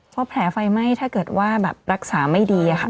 พอแผลไฟไหม้ถ้าเกิดว่ารักษาไม่ดีอะ